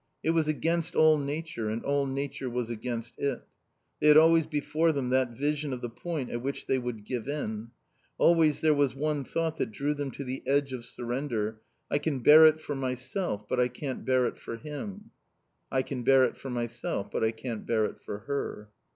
It was against all nature and all nature was against it. They had always before them that vision of the point at which they would give in. Always there was one thought that drew them to the edge of surrender: "I can bear it for myself, but I can't bear it for him," "I can bear it for myself, but I can't bear it for her."